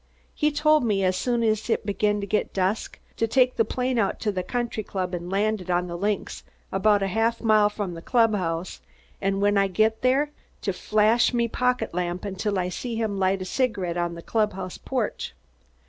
He told me, as soon as it begin to get dusk, to take the plane out to the country club and land on the links, about a half a mile from the club house, an' when I got there to flash my pocket lamp, until I see him light a cigarette on the club house porch.